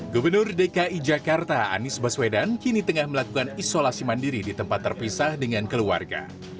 gubernur dki jakarta anies baswedan kini tengah melakukan isolasi mandiri di tempat terpisah dengan keluarga